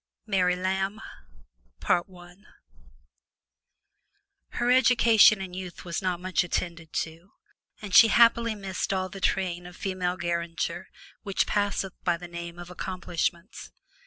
MARY LAMB Her education in youth was not much attended to, and she happily missed all the train of female garniture which passeth by the name of accomplishments.